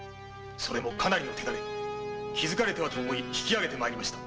それもかなりの手だれ気づかれてはと思い引き揚げて参りました。